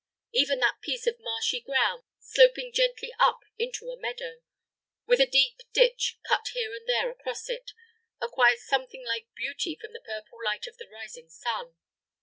Even that piece of marshy ground, sloping gently up into a meadow, with a deep ditch cut here and there across it, acquires something like beauty from the purple light of the rising sun.